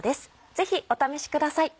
ぜひお試しください。